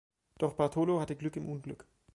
Doch Bartolo hatte Glück im Unglück.